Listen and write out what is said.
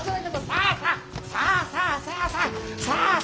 さあさあさあさあ。